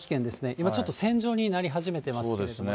今ちょっと線状になり始めてますよね。